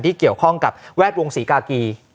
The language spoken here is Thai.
ที่เกี่ยวข้องกับแวดวงศรีกากี